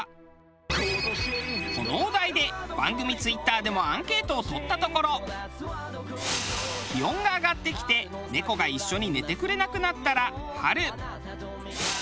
このお題で番組Ｔｗｉｔｔｅｒでもアンケートを取ったところ気温が上がってきてなどが挙がりました。